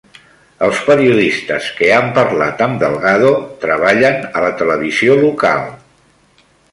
Els periodistes que han parlat amb Delgado treballen a la televisió local.